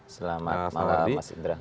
selamat malam mas indra